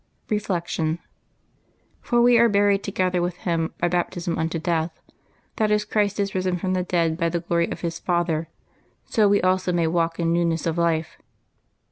Reflection. —" For we are buried together with Him by baptism unto death; that as Christ is risen from the dead by the glory of His Father, so we also may walk in newness of life.